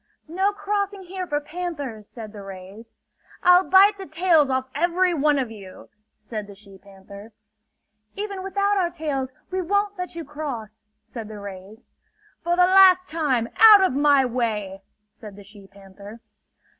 "No crossing here for panthers!" said the rays. "I'll bite the tails off every one of you!" said the she panther. "Even without our tails, we won't let you cross!" said the rays. "For the last time, out of my way!" said the she panther.